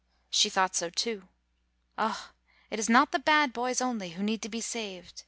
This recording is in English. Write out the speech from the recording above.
She thought so, too. Ah ! it is not the bad boys only who need to be saved.